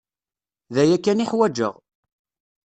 D aya kan i ḥwajeɣ.